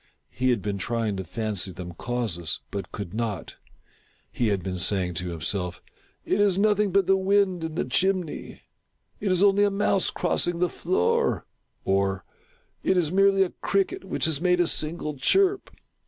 He had been trying to fancy them causeless, but could not. He had been saying to himself —" It is nothing but the wind in the chimney — it is only a mouse crossing the floor," or " it is merely a cricket which has made a single chirp."